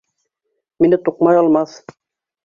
Мине туҡмай алмаҫ.